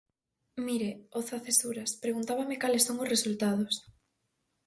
Mire, Oza-Cesuras, preguntábame cales son os resultados.